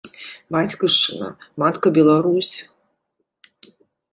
— Бацькаўшчына — матка Беларусь?